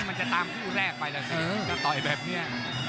มันจะตามคู่แรกไปแล้วสินี่